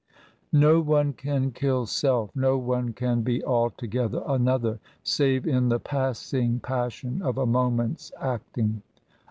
No one can kill Self. No one can be altogether another, save in the passing passion of a moment's acting.